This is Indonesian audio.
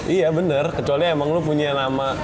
iya bener kecuali emang lu punya nama